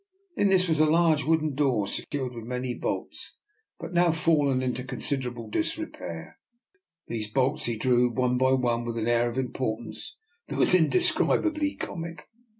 In this was a large wooden door, se cured with many bolts, but now fallen into considerable disrepair. These bolts he drew one by one with an air of importance that was indescribably comic.